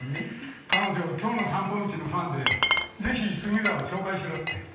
彼女「京の散歩道」のファンでぜひ杉浦を紹介しろって。